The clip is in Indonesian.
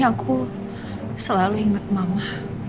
aku selalu ingat mama